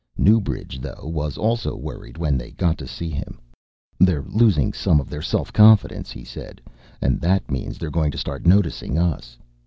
Newbridge, though, was also worried when they got to see him. "They're losing some of their self confidence," he said, "and that means they're going to start noticing us.